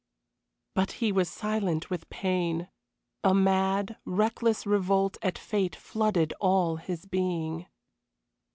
But he was silent with pain. A mad, reckless revolt at fate flooded all his being.